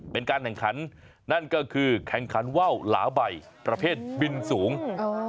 เป็นการแข่งขันนั่นก็คือแข่งขันว่าวหลาใบประเภทบินสูง